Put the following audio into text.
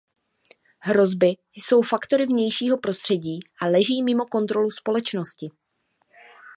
Hrozby jsou faktory vnějšího prostředí a leží mimo kontrolu společnosti.